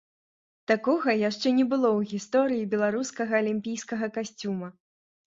Такога яшчэ не было ў гісторыі беларускага алімпійскага касцюма.